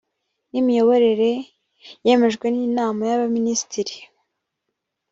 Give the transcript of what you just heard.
n imiyoborere yemejwe n inama yabaminisitiri